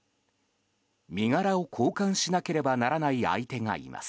身柄を交換しなければならない相手がいます。